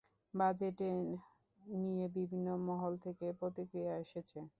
বাজেটে নিয়ে বিভিন্ন মহল থেকে প্রতিক্রিয়া এসেছে।